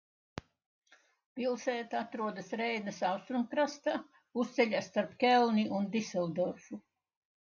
Pilsēta atrodas Reinas austrumkrastā, pusceļā starp Ķelni un Diseldorfu.